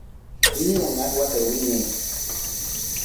Puyñuman aswata winay.